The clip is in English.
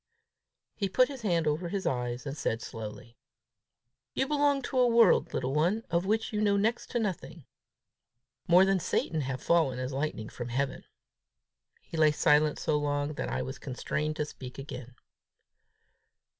He put his hand over his eyes, and said slowly, "You belong to a world, little one, of which you know next to nothing. More than Satan have fallen as lightning from heaven!" He lay silent so long that I was constrained to speak again.